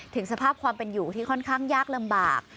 สภาพความเป็นอยู่ที่ค่อนข้างยากลำบาก